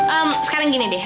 em sekarang gini deh